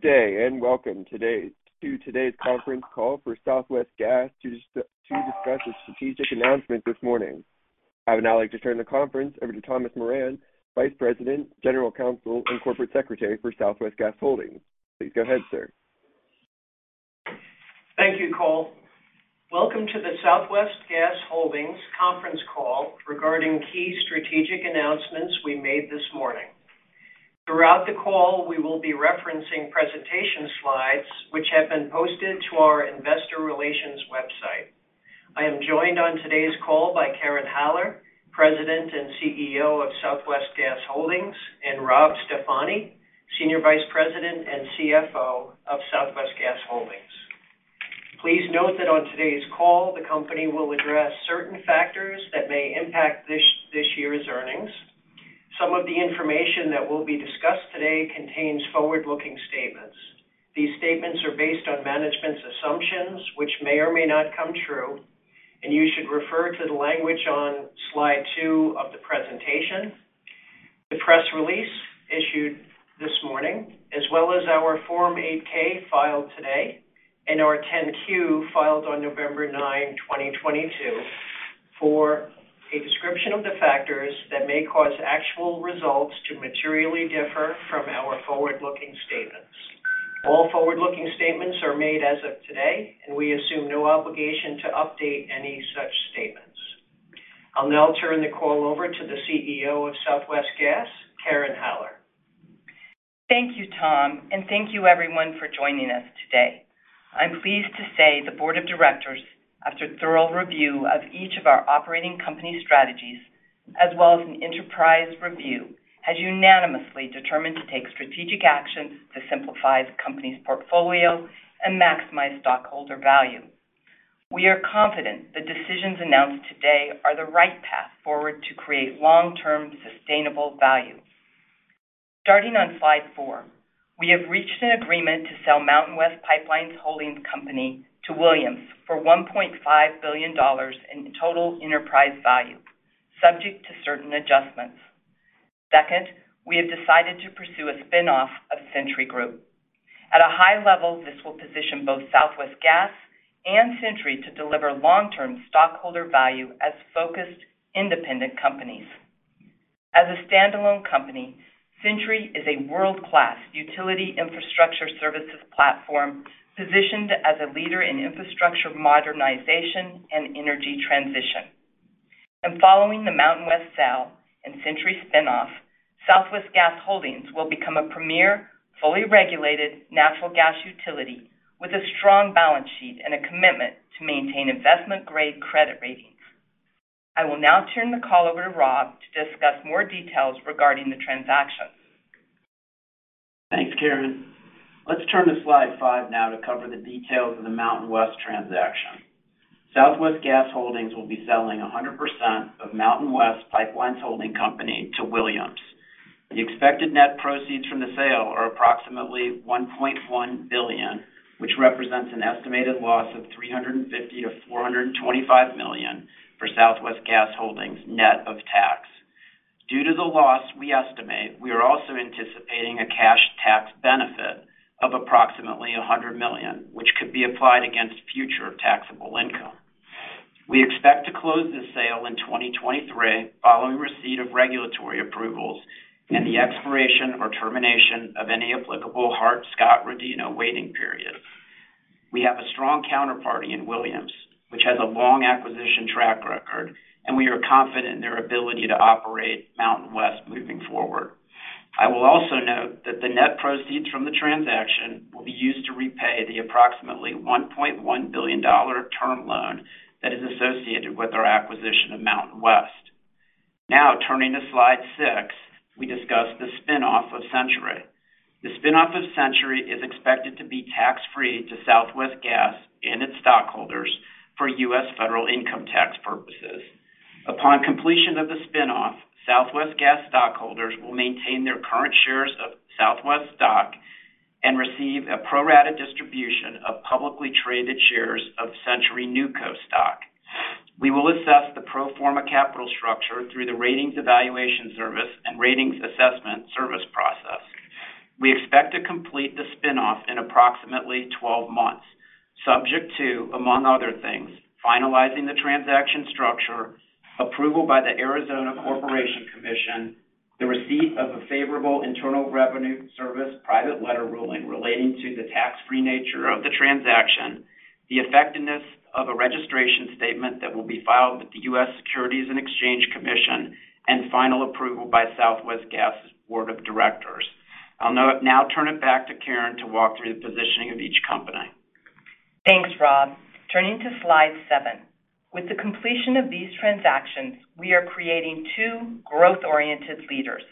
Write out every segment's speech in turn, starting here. Good day and welcome to today's conference call for Southwest Gas to discuss its strategic announcement this morning. I would now like to turn the conference over to Thomas Moran, Vice President, General Counsel, and Corporate Secretary for Southwest Gas Holdings. Please go ahead, sir. Thank you, Cole. Welcome to the Southwest Gas Holdings conference call regarding key strategic announcements we made this morning. Throughout the call, we will be referencing presentation slides, which have been posted to our investor relations website. I am joined on today's call by Karen Haller, President and CEO of Southwest Gas Holdings, and Rob Stefani, Senior Vice President and CFO of Southwest Gas Holdings. Please note that on today's call, the company will address certain factors that may impact this year's earnings. Some of the information that will be discussed today contains forward-looking statements. These statements are based on management's assumptions, which may or may not come true, and you should refer to the language on Slide 2 of the presentation, the press release issued this morning, as well as our Form 8-K filed today and our 10-Q filed on November 9, 2022, for a description of the factors that may cause actual results to materially differ from our forward-looking statements. All forward-looking statements are made as of today, and we assume no obligation to update any such statements. I'll now turn the call over to the CEO of Southwest Gas, Karen Haller. Thank you, Tom, and thank you, everyone, for joining us today. I'm pleased to say the Board of Directors, after thorough review of each of our operating company strategies, as well as an enterprise review, has unanimously determined to take strategic actions to simplify the company's portfolio and maximize stockholder value. We are confident the decisions announced today are the right path forward to create long-term sustainable value. Starting on slide four, we have reached an agreement to sell MountainWest Pipelines Holding Company to Williams for $1.5 billion in total enterprise value, subject to certain adjustments. Second, we have decided to pursue a spinoff of Centuri Group. At a high level, this will position both Southwest Gas and Centuri to deliver long-term stockholder value as focused independent companies. As a standalone company, Centuri is a world-class utility infrastructure services platform positioned as a leader in infrastructure modernization and energy transition. Following the MountainWest sale and Centuri spinoff, Southwest Gas Holdings will become a premier, fully regulated natural gas utility with a strong balance sheet and a commitment to maintain investment-grade credit ratings. I will now turn the call over to Rob to discuss more details regarding the transaction. Thanks, Karen. Let's turn to Slide 5 now to cover the details of the MountainWest transaction. Southwest Gas Holdings will be selling 100% of MountainWest Pipelines Holding Company to Williams. The expected net proceeds from the sale are approximately $1.1 billion, which represents an estimated loss of $350-$425 million for Southwest Gas Holdings net of tax. Due to the loss we estimate, we are also anticipating a cash tax benefit of approximately $100 million, which could be applied against future taxable income. We expect to close this sale in 2023 following receipt of regulatory approvals and the expiration or termination of any applicable Hart-Scott-Rodino waiting period. We have a strong counterparty in Williams, which has a long acquisition track record, and we are confident in their ability to operate MountainWest moving forward. I will also note that the net proceeds from the transaction will be used to repay the approximately $1.1 billion term loan that is associated with our acquisition of MountainWest. Now, turning to Slide 6, we discuss the spinoff of Centuri. The spinoff of Centuri is expected to be tax-free to Southwest Gas and its stockholders for U.S. federal income tax purposes. Upon completion of the spinoff, Southwest Gas stockholders will maintain their current shares of Southwest stock and receive a pro-rata distribution of publicly traded shares of Centuri NewCo stock. We will assess the pro forma capital structure through the Ratings Evaluation Service and Ratings Advisory Service process. We expect to complete the spinoff in approximately 12 months, subject to, among other things, finalizing the transaction structure, approval by the Arizona Corporation Commission, the receipt of a favorable Internal Revenue Service private letter ruling relating to the tax-free nature of the transaction, the effectiveness of a registration statement that will be filed with the U.S. Securities and Exchange Commission, and final approval by Southwest Gas' Board of Directors. I'll now turn it back to Karen to walk through the positioning of each company. Thanks, Rob. Turning to Slide 7. With the completion of these transactions, we are creating two growth-oriented leaders.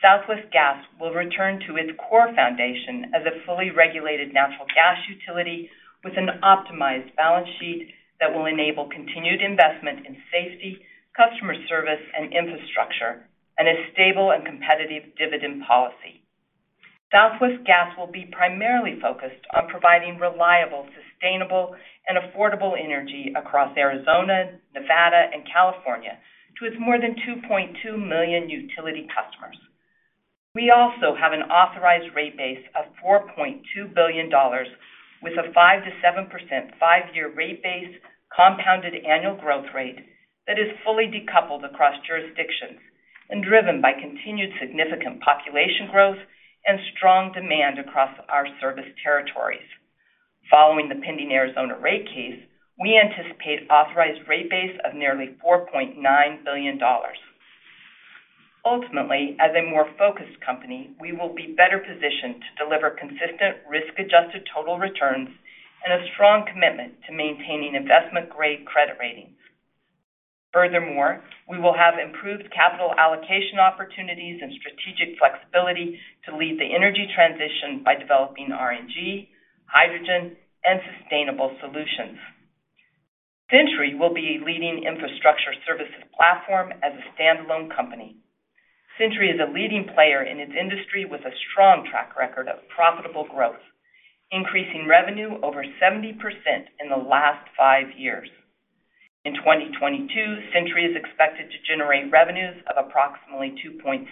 Southwest Gas will return to its core foundation as a fully regulated natural gas utility with an optimized balance sheet that will enable continued investment in safety, customer service, and infrastructure, and a stable and competitive dividend policy. Southwest Gas will be primarily focused on providing reliable, sustainable, and affordable energy across Arizona, Nevada, and California to its more than 2.2 million utility customers. We also have an authorized rate base of $4.2 billion, with a 5-7% five-year rate base, compounded annual growth rate that is fully decoupled across jurisdictions and driven by continued significant population growth and strong demand across our service territories. Following the pending Arizona rate case, we anticipate an authorized rate base of nearly $4.9 billion. Ultimately, as a more focused company, we will be better positioned to deliver consistent risk-adjusted total returns and a strong commitment to maintaining investment-grade credit ratings. Furthermore, we will have improved capital allocation opportunities and strategic flexibility to lead the energy transition by developing RNG, hydrogen, and sustainable solutions. Centuri will be a leading infrastructure services platform as a standalone company. Centuri is a leading player in its industry with a strong track record of profitable growth, increasing revenue over 70% in the last five years. In 2022, Centuri is expected to generate revenues of approximately $2.6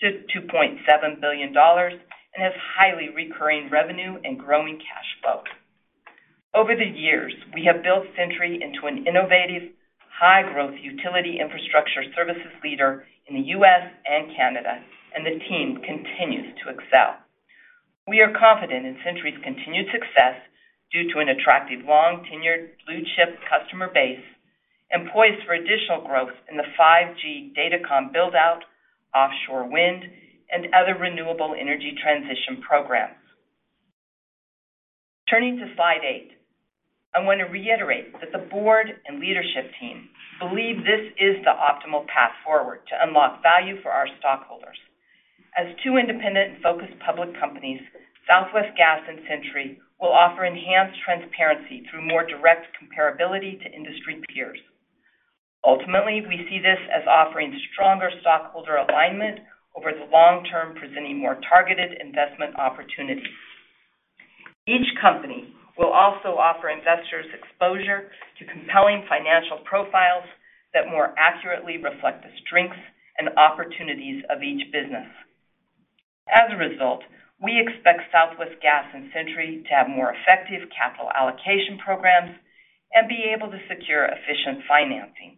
billion-$2.7 billion and has highly recurring revenue and growing cash flow. Over the years, we have built Centuri into an innovative, high-growth utility infrastructure services leader in the U.S. and Canada, and the team continues to excel. We are confident in Centuri's continued success due to an attractive long-tenured blue-chip customer base and poised for additional growth in the 5G datacom build-out, offshore wind, and other renewable energy transition programs. Turning to Slide 8, I want to reiterate that the board and leadership team believe this is the optimal path forward to unlock value for our stockholders. As two independent and focused public companies, Southwest Gas and Centuri will offer enhanced transparency through more direct comparability to industry peers. Ultimately, we see this as offering stronger stockholder alignment over the long term, presenting more targeted investment opportunities. Each company will also offer investors exposure to compelling financial profiles that more accurately reflect the strengths and opportunities of each business. As a result, we expect Southwest Gas and Centuri to have more effective capital allocation programs and be able to secure efficient financing.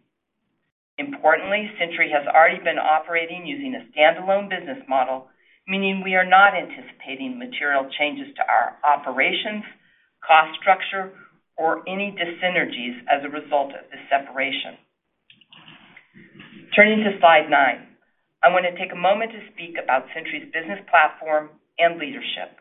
Importantly, Centuri has already been operating using a standalone business model, meaning we are not anticipating material changes to our operations, cost structure, or any dyssynergies as a result of this separation. Turning to Slide 9, I want to take a moment to speak about Centuri's business platform and leadership.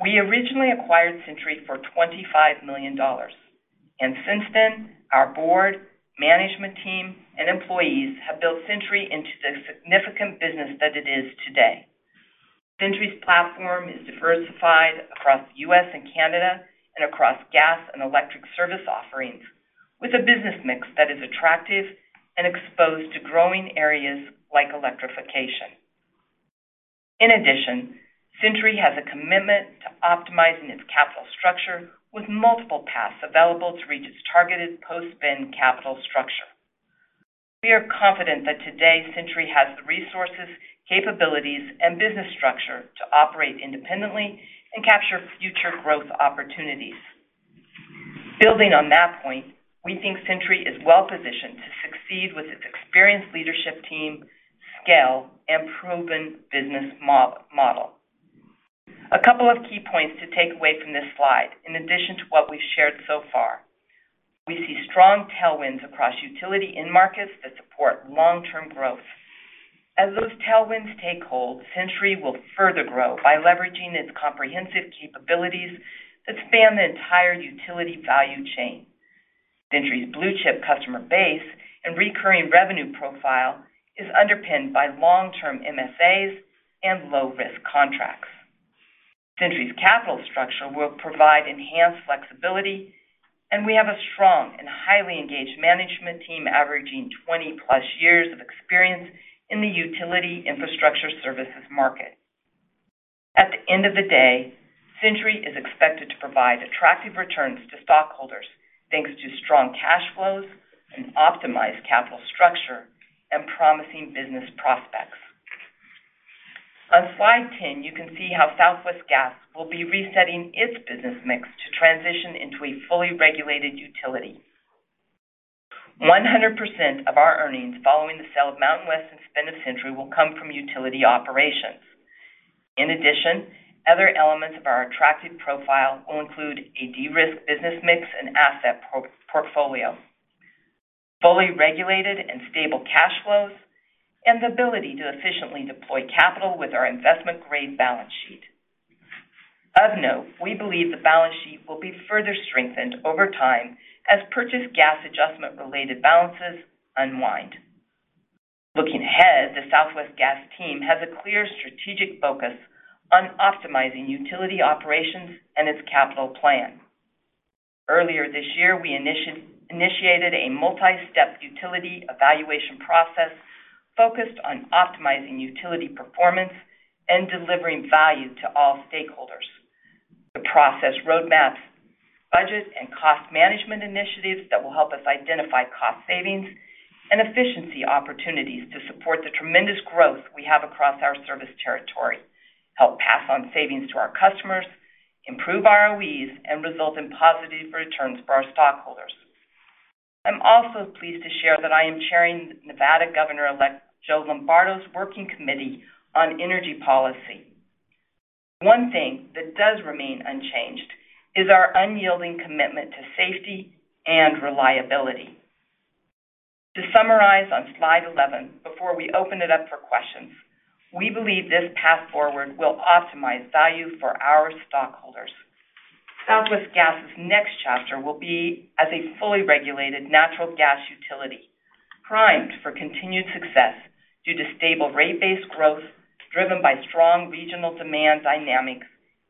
We originally acquired Centuri for $25 million, and since then, our board, management team, and employees have built Centuri into the significant business that it is today. Centuri's platform is diversified across the U.S. and Canada and across gas and electric service offerings, with a business mix that is attractive and exposed to growing areas like electrification. In addition, Centuri has a commitment to optimizing its capital structure with multiple paths available to reach its targeted post-spin capital structure. We are confident that today Centuri has the resources, capabilities, and business structure to operate independently and capture future growth opportunities. Building on that point, we think Centuri is well positioned to succeed with its experienced leadership team, scale, and proven business model. A couple of key points to take away from this slide, in addition to what we've shared so far. We see strong tailwinds across utility end markets that support long-term growth. As those tailwinds take hold, Centuri will further grow by leveraging its comprehensive capabilities that span the entire utility value chain. Centuri's blue-chip customer base and recurring revenue profile is underpinned by long-term MSAs and low-risk contracts. Centuri's capital structure will provide enhanced flexibility, and we have a strong and highly engaged management team averaging 20+ years of experience in the utility infrastructure services market. At the end of the day, Centuri is expected to provide attractive returns to stockholders thanks to strong cash flows, an optimized capital structure, and promising business prospects. On Slide 10, you can see how Southwest Gas will be resetting its business mix to transition into a fully regulated utility. 100% of our earnings following the sale of MountainWest and spin of Centuri will come from utility operations. In addition, other elements of our attractive profile will include a de-risked business mix and asset portfolio, fully regulated and stable cash flows, and the ability to efficiently deploy capital with our investment-grade balance sheet. Of note, we believe the balance sheet will be further strengthened over time as purchased gas adjustment-related balances unwind. Looking ahead, the Southwest Gas team has a clear strategic focus on optimizing utility operations and its capital plan. Earlier this year, we initiated a multi-step utility evaluation process focused on optimizing utility performance and delivering value to all stakeholders. The process roadmaps budget and cost management initiatives that will help us identify cost savings and efficiency opportunities to support the tremendous growth we have across our service territory, help pass on savings to our customers, improve ROEs, and result in positive returns for our stockholders. I'm also pleased to share that I am chairing Nevada Governor-elect Joe Lombardo's Working Committee on Energy Policy. One thing that does remain unchanged is our unyielding commitment to safety and reliability. To summarize on Slide 11, before we open it up for questions, we believe this path forward will optimize value for our stockholders. Southwest Gas' next chapter will be as a fully regulated natural gas utility, primed for continued success due to stable rate-based growth driven by strong regional demand dynamics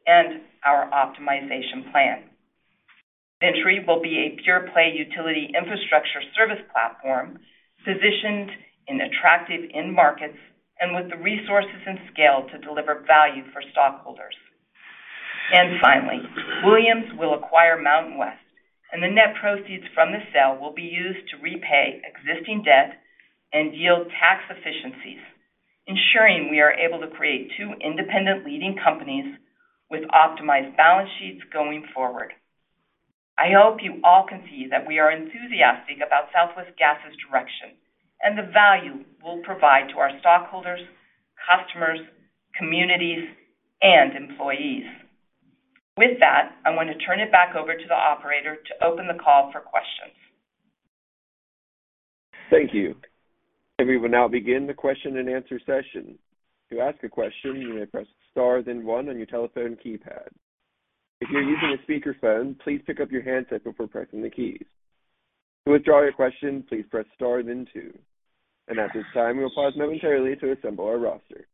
and our optimization plan. Centuri will be a pure-play utility infrastructure service platform positioned in attractive end markets and with the resources and scale to deliver value for stockholders. Finally, Williams will acquire MountainWest, and the net proceeds from the sale will be used to repay existing debt and yield tax efficiencies, ensuring we are able to create two independent leading companies with optimized balance sheets going forward. I hope you all can see that we are enthusiastic about Southwest Gas' direction and the value we'll provide to our stockholders, customers, communities, and employees. With that, I want to turn it back over to the operator to open the call for questions. Thank you. We will now begin the question and answer session. To ask a question, you may press star then one on your telephone keypad. If you're using a speakerphone, please pick up your handset before pressing the keys. To withdraw your question, please press star then two. At this time, we will pause momentarily to assemble our roster.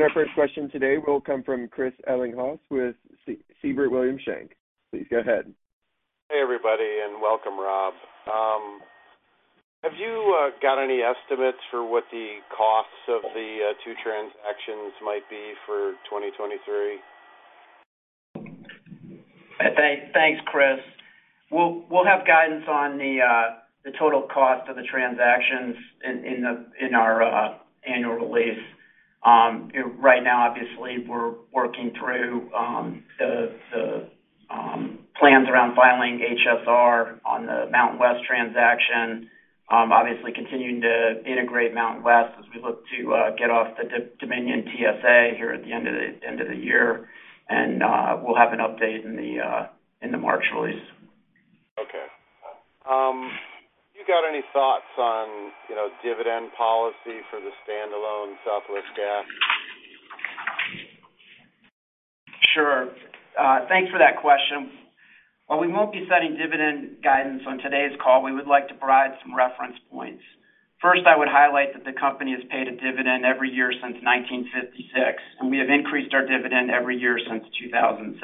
Our first question today will come from Chris Ellinghaus with Siebert Williams Shank. Please go ahead. Hey, everybody, and welcome, Rob. Have you got any estimates for what the costs of the two transactions might be for 2023? Thanks, Chris. We'll have guidance on the total cost of the transactions in our annual release. Right now, obviously, we're working through the plans around filing HSR on the MountainWest transaction, obviously continuing to integrate MountainWest as we look to get off the Dominion TSA here at the end of the year. We'll have an update in the March release. Okay. You got any thoughts on dividend policy for the standalone Southwest Gas? Sure. Thanks for that question. While we won't be setting dividend guidance on today's call, we would like to provide some reference points. First, I would highlight that the company has paid a dividend every year since 1956, and we have increased our dividend every year since 2007.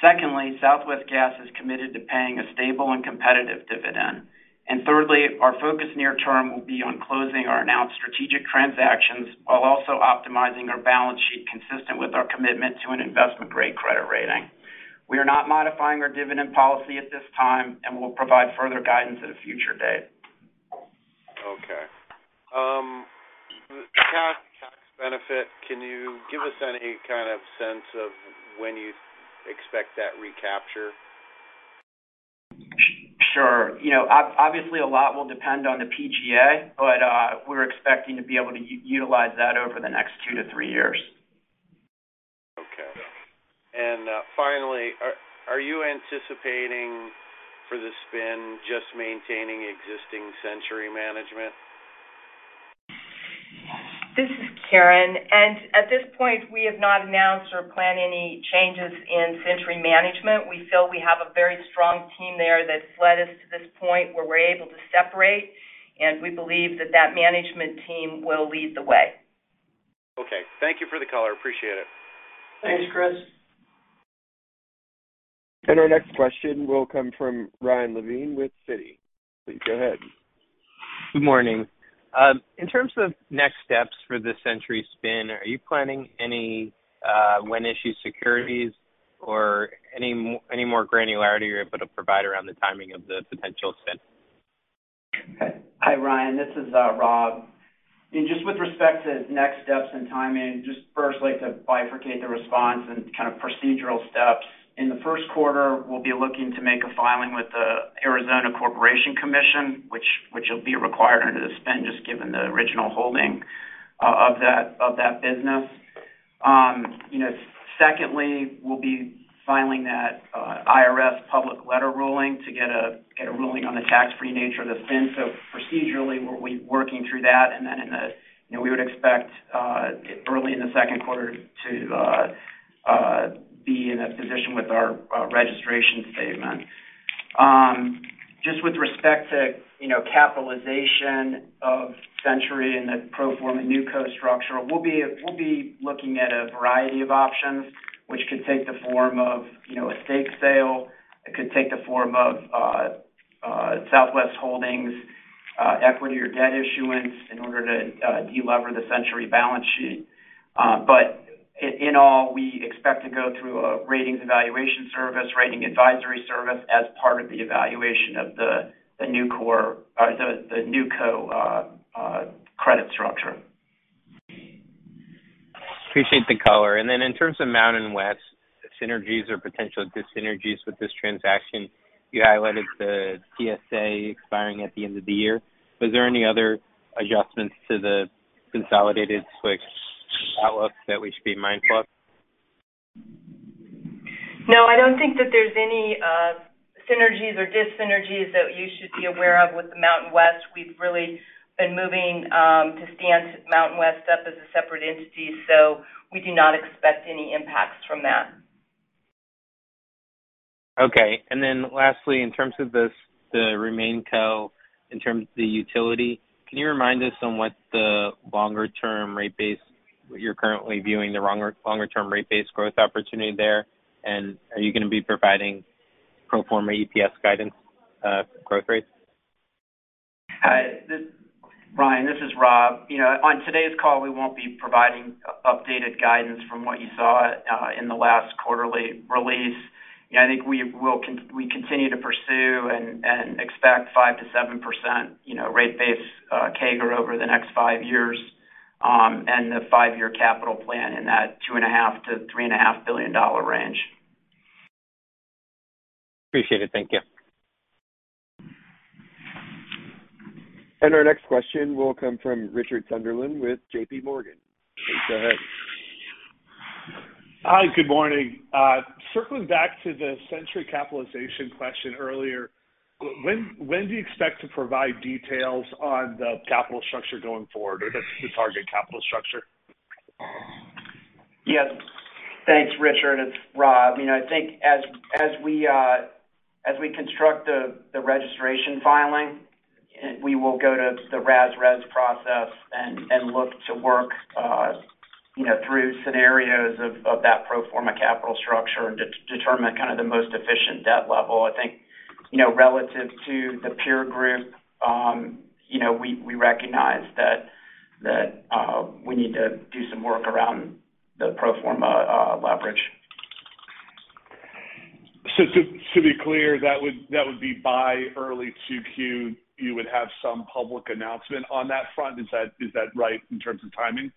Secondly, Southwest Gas is committed to paying a stable and competitive dividend. Thirdly, our focus near term will be on closing our announced strategic transactions while also optimizing our balance sheet consistent with our commitment to an investment-grade credit rating. We are not modifying our dividend policy at this time, and we'll provide further guidance at a future date. Okay. Tax benefit, can you give us any kind of sense of when you expect that recapture? Sure. Obviously, a lot will depend on the PGA, but we're expecting to be able to utilize that over the next two to three years. Okay. Finally, are you anticipating for the spin just maintaining existing Centuri management? This is Karen. At this point, we have not announced or planned any changes in Centuri management. We feel we have a very strong team there that's led us to this point where we're able to separate, and we believe that that management team will lead the way. Okay. Thank you for the call. I appreciate it. Thanks, Chris. Our next question will come from Ryan Levine with Citi. Please go ahead. Good morning. In terms of next steps for the Centuri spin, are you planning any when-issued securities or any more granularity you're able to provide around the timing of the potential spin? Hi, Ryan. This is Rob. Just with respect to next steps and timing, just first like to bifurcate the response and kind of procedural steps. In the first quarter, we'll be looking to make a filing with the Arizona Corporation Commission, which will be required under the spin just given the original holding of that business. Secondly, we'll be filing that IRS public letter ruling to get a ruling on the tax-free nature of the spin. Procedurally, we'll be working through that. We would expect early in the second quarter to be in a position with our registration statement. Just with respect to capitalization of Centuri and the pro forma NewCo structure, we'll be looking at a variety of options, which could take the form of a stake sale. It could take the form of Southwest Gas Holdings equity or debt issuance in order to delever the Centuri balance sheet. In all, we expect to go through a Ratings Evaluation Service, Ratings Advisory Service as part of the evaluation of the NewCo credit structure. Appreciate the color. In terms of MountainWest, synergies or potential dyssynergies with this transaction, you highlighted the TSA expiring at the end of the year. Was there any other adjustments to the consolidated SWX outlook that we should be mindful of? No, I don't think that there's any synergies or dyssynergies that you should be aware of with the MountainWest. We've really been moving to stand MountainWest up as a separate entity, so we do not expect any impacts from that. Okay. Lastly, in terms of the RemainCo, in terms of the utility, can you remind us on what the longer-term rate base you're currently viewing, the longer-term rate base growth opportunity there? Are you going to be providing pro forma EPS guidance growth rates? Ryan, this is Rob. On today's call, we won't be providing updated guidance from what you saw in the last quarterly release. I think we continue to pursue and expect 5%-7% rate-based CAGR over the next five years and the five-year capital plan in that $2.5 billion-$3.5 billion range. Appreciate it. Thank you. Our next question will come from Richard Sunderland with JPMorgan. Please go ahead. Hi, good morning. Circling back to the Centuri capitalization question earlier, when do you expect to provide details on the capital structure going forward or the target capital structure? Yes. Thanks, Richard. It's Rob. I think as we construct the registration filing, we will go to the RAS/RES process and look to work through scenarios of that pro forma capital structure and determine kind of the most efficient debt level. I think relative to the peer group, we recognize that we need to do some work around the pro forma leverage. To be clear, that would be by early 2Q, you would have some public announcement on that front. Is that right in terms of timing?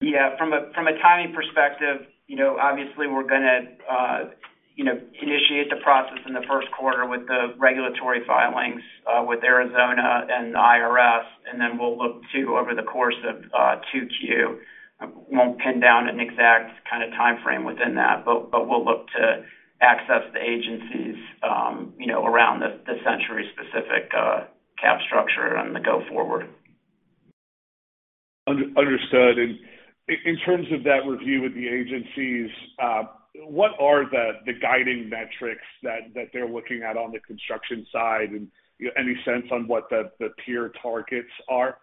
Yeah. From a timing perspective, obviously, we're going to initiate the process in the first quarter with the regulatory filings with Arizona and the IRS, and then we'll look to go over the course of 2Q. We won't pin down an exact kind of timeframe within that, but we'll look to access the agencies around the Centuri-specific cap structure and the go-forward. Understood. In terms of that review with the agencies, what are the guiding metrics that they're looking at on the construction side? Any sense on what the peer targets are?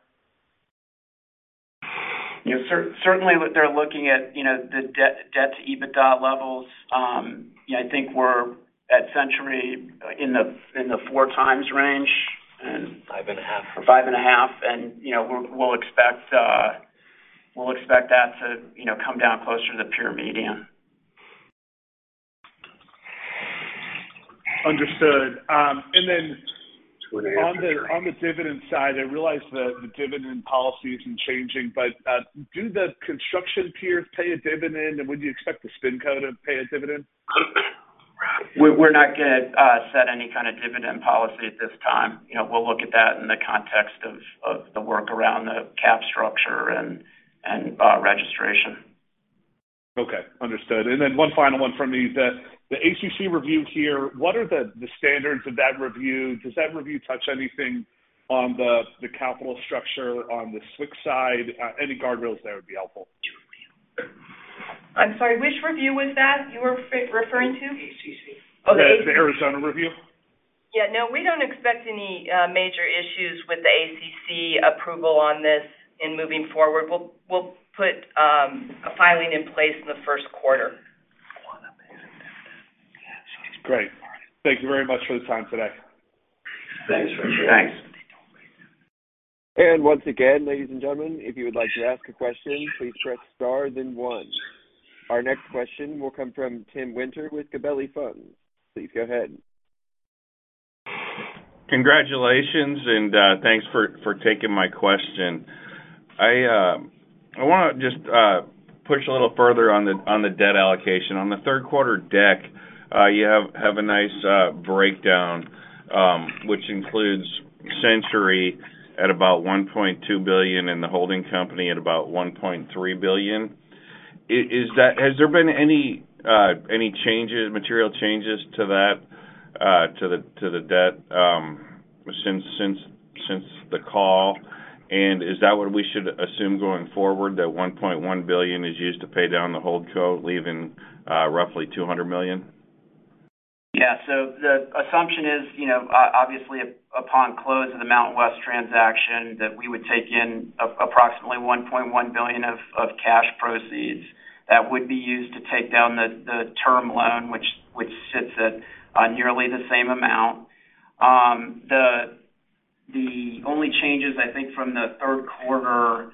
Certainly, they're looking at the debt-to-EBITDA levels. I think we're at Centuri in the 4x range. 5.5. 5.5. We expect that to come down closer to the peer median. Understood. On the dividend side, I realize the dividend policy isn't changing, but do the construction peers pay a dividend, and would you expect the SpinCo to pay a dividend? We're not going to set any kind of dividend policy at this time. We'll look at that in the context of the work around the cap structure and registration. Okay. Understood. One final one from me. The ACC review here, what are the standards of that review? Does that review touch anything on the capital structure on the SWX side? Any guardrails there would be helpful. I'm sorry. Which review was that you were referring to? The Arizona review. Oh, the ACC. Yeah. No, we don't expect any major issues with the ACC approval on this in moving forward. We'll put a filing in place in the first quarter. Great. Thank you very much for the time today. Thanks, Richard. Thanks. Once again, ladies and gentlemen, if you would like to ask a question, please press star then one. Our next question will come from Tim Winter with Gabelli Funds. Please go ahead. Congratulations, and thanks for taking my question. I want to just push a little further on the debt allocation. On the third quarter deck, you have a nice breakdown, which includes Centuri at about $1.2 billion and the holding company at about $1.3 billion. Has there been any material changes to that, to the debt since the call? Is that what we should assume going forward, that $1.1 billion is used to pay down the HoldCo leaving roughly $200 million? Yeah. The assumption is, obviously, upon close of the MountainWest transaction, that we would take in approximately $1.1 billion of cash proceeds that would be used to take down the term loan, which sits at nearly the same amount. The only changes, I think, from the third quarter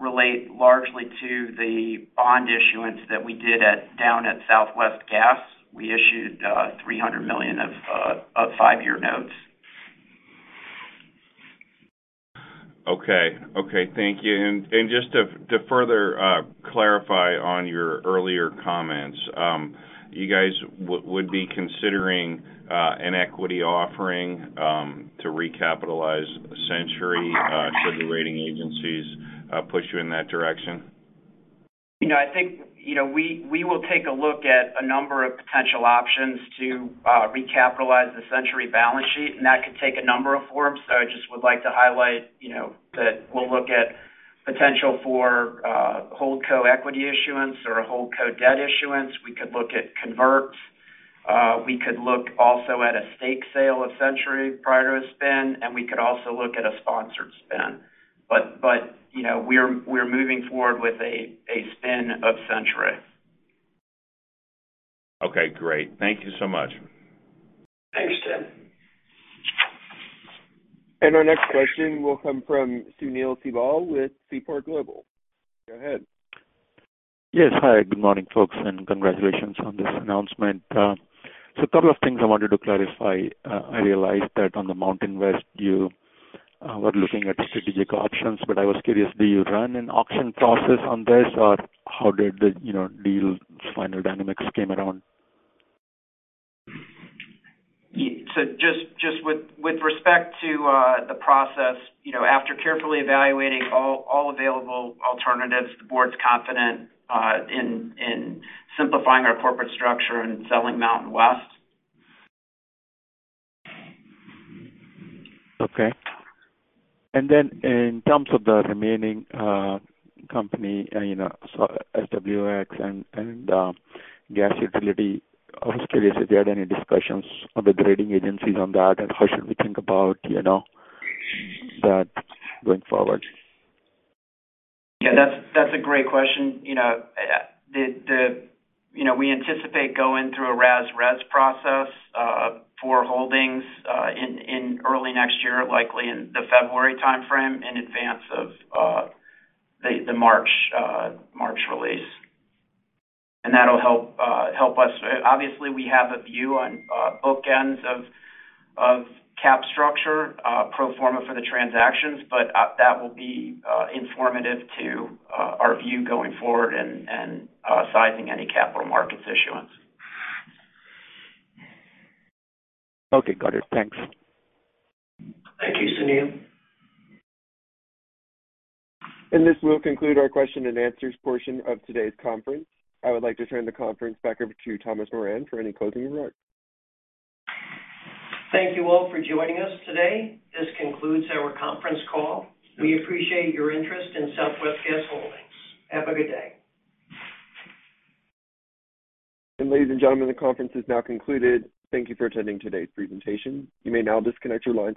relate largely to the bond issuance that we did down at Southwest Gas. We issued $300 million of five-year notes. Okay. Okay. Thank you. Just to further clarify on your earlier comments, you guys would be considering an equity offering to recapitalize Centuri should the rating agencies push you in that direction? I think we will take a look at a number of potential options to recapitalize the Centuri balance sheet, and that could take a number of forms. I just would like to highlight that we'll look at potential for HoldCo equity issuance or HoldCo debt issuance. We could look at converts. We could look also at a stake sale of Centuri prior to a spin, and we could also look at a sponsored spin. We are moving forward with a spin of Centuri. Okay. Great. Thank you so much. Thanks, Tim. Our next question will come from Sunil Sibal with Seaport Global. Go ahead. Yes. Hi. Good morning, folks, and congratulations on this announcement. A couple of things I wanted to clarify. I realized that on the MountainWest, you were looking at strategic options, but I was curious, do you run an auction process on this, or how did the deal final dynamics came around? Just with respect to the process, after carefully evaluating all available alternatives, the board's confident in simplifying our corporate structure and selling MountainWest. Okay. In terms of the remaining company, so SWX and Gas Utility, I was curious if you had any discussions with the rating agencies on that, and how should we think about that going forward? Yeah. That's a great question. We anticipate going through a RAS/RES process for holdings in early next year, likely in the February timeframe in advance of the March release. That'll help us. Obviously, we have a view on bookends of cap structure, pro forma for the transactions, but that will be informative to our view going forward and sizing any capital markets issuance. Okay. Got it. Thanks. Thank you, Sunil. This will conclude our question and answers portion of today's conference. I would like to turn the conference back over to Thomas Moran for any closing remarks. Thank you all for joining us today. This concludes our conference call. We appreciate your interest in Southwest Gas Holdings. Have a good day. Ladies and gentlemen, the conference is now concluded. Thank you for attending today's presentation. You may now disconnect your lines.